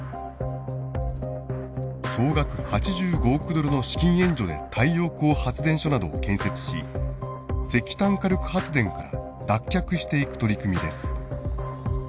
総額８５億ドルの資金援助で太陽光発電所などを建設し石炭火力発電から脱却していく取り組みです。